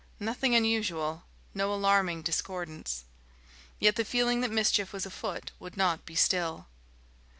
nothing unusual, no alarming discordance.... Yet the feeling that mischief was afoot would not be still.